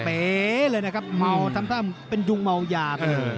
เป๊ะเลยนะครับเป็นดุงเมาหยาบ